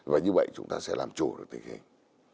và như vậy chúng ta sẽ làm chủ được tình hình